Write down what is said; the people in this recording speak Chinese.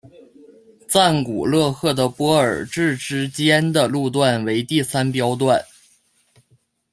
赞古勒赫的波尔至之间的路段为第三标段。